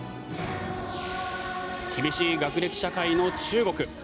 厳しい学歴社会の中国。